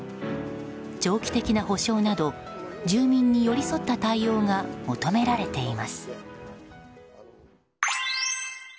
長期的な補償など住民に寄り添った対応が求められています。